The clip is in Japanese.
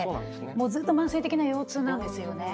ずっと慢性的な腰痛なんですよね。